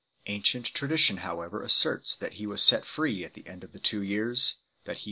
Ancient tra dition, however, asserts that he was set free at the end of 1 Acts xvi xx.